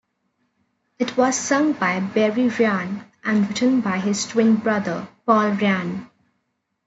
It was sung by Barry Ryan, and written by his twin brother Paul Ryan.